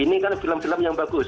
ini kan film film yang bagus